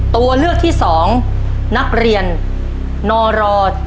ตัวเลือกที่๒นักเรียนนร